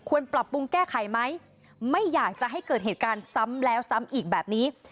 ปรับปรุงแก้ไขไหมไม่อยากจะให้เกิดเหตุการณ์ซ้ำแล้วซ้ำอีกแบบนี้